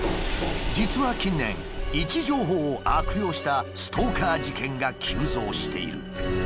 実は近年位置情報を悪用したストーカー事件が急増している。